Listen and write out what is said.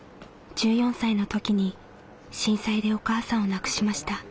１４歳の時に震災でお母さんを亡くしました。